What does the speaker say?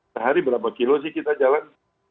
sehari berapa kilo sih kita jalan